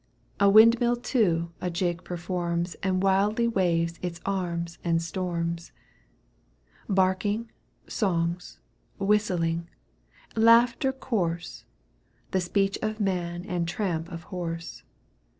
A windmill too a jig performs And wildly waves its arms and storms ; Barking, songs, whistling, laughter coarse, The speech of man and tramp of horse.